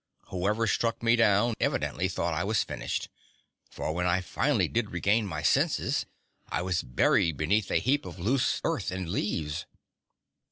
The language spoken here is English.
Whoever struck me down evidently thought I was finished, for when I finally did regain my senses, I was buried beneath a heap of loose earth and leaves.